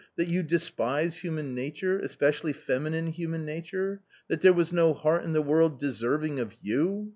— that you despise human nature, especially feminine human nature ; that there was no heart in the world deserving of you?